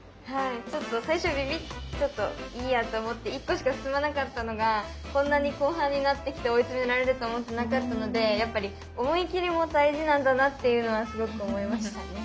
ちょっと最初ビビッちょっといいやと思って１個しか進まなかったのがこんなに後半になってきて追いつめられると思ってなかったのでやっぱりすごく思いました。